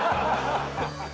ハハハハ！